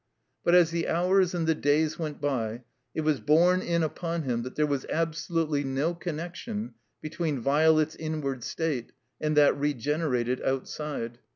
But, as the hours and the days went by, it was borne in upon him that there was absolutely no con nection between Violet's inward state and that re generated outside.